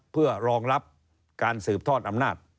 เพื่อรองรับการสืบทอดอำนาจ